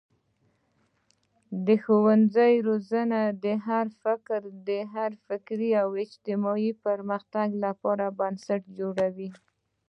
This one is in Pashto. د ښوونځي روزنه د هر فرد د فکري او اجتماعي پرمختګ لپاره بنسټ جوړوي.